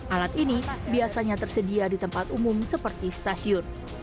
alat ini biasanya tersedia di tempat umum seperti stasiun